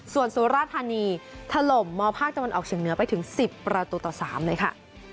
ส่วนสุรธรรมณีทะลมมภาคจังหวันออกเฉียงเนื้อไปถึง๑๐ประตูต่อ๓เลยค่ะ